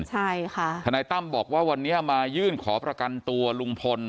ใช่ค่ะทนายตั้มบอกว่าวันนี้มายื่นขอประกันตัวลุงพล